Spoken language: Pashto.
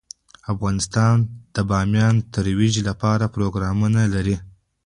افغانستان د بامیان د ترویج لپاره پروګرامونه لري.